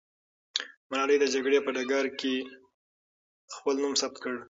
ملالۍ د جګړې په ډګر کې خپل نوم ثبت کړ.